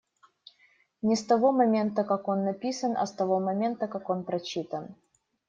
Не с того момента как он написан, а с того момента, как он прочитан.